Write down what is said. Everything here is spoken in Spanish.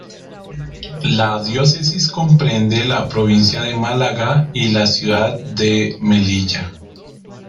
La diócesis comprende la provincia de Málaga y la ciudad de Melilla.